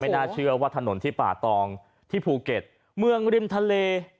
น่าเชื่อว่าถนนที่ป่าตองที่ภูเก็ตเมืองริมทะเล